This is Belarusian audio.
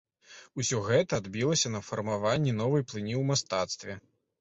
Усё гэта адбілася на фармаванні новай плыні ў мастацтве.